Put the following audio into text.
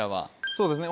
そうですね